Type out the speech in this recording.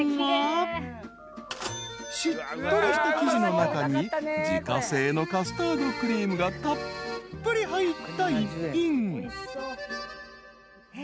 ［しっとりした生地の中に自家製のカスタードクリームがたっぷり入った一品］